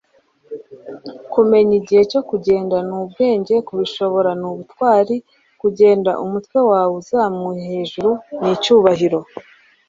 kumenya igihe cyo kugenda ni ubwenge kubishobora ni ubutwari kugenda, umutwe wawe uzamuye hejuru ni icyubahiro